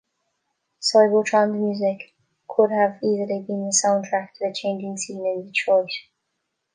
Cybotron's music could have easily been the soundtrack to the changing scene in Detroit.